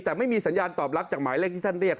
แต่ไม่มีสัญญาณตอบรับจากหมายเลขที่ท่านเรียก